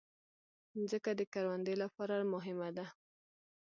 مځکه د کروندې لپاره مهمه ده.